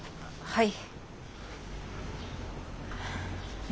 はい。